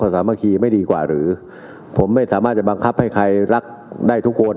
สามัคคีไม่ดีกว่าหรือผมไม่สามารถจะบังคับให้ใครรักได้ทุกคน